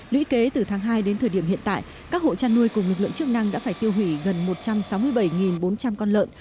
lũy kế từ tháng hai đến thời điểm hiện tại các hộ chăn nuôi cùng lực lượng chức năng đã phải tiêu hủy gần một trăm sáu mươi bảy bốn trăm linh con lợn